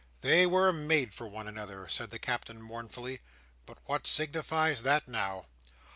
"They were made for one another," said the Captain, mournfully; "but what signifies that now!"